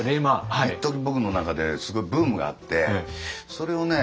一時僕の中ですごいブームがあってそれをね